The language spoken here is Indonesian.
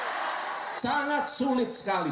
sangat sulit sekali sangat sulit sekali